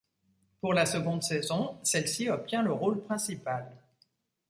Pour la seconde saison, celle-ci obtient le rôle principal.